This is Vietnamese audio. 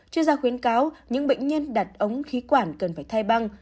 chưa ra khuyến cáo những bệnh nhân đặt ống khí quản cần phải thay băng